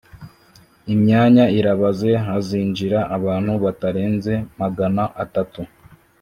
imyanya irabaze hazinjira abantu batarenze magana atatu